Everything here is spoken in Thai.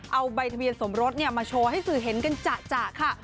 เอาใบทะเบียนสมรสมาโชว์ให้สื่อเห็นกันจ่ะค่ะ